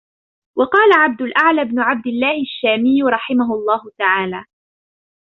وَقَالَ عَبْدُ الْأَعْلَى بْنُ عَبْدِ اللَّهِ الشَّامِيُّ رَحِمَهُ اللَّهُ تَعَالَى